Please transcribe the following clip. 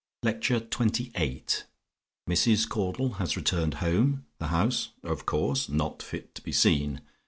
LECTURE XXVIII MRS. CAUDLE HAS RETURNED HOME. THE HOUSE (OF COURSE) "NOT FIT TO BE SEEN."